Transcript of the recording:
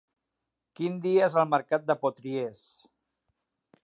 Quin dia és el mercat de Potries?